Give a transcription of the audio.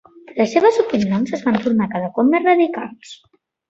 Les seves opinions es van tornar cada cop més radicals.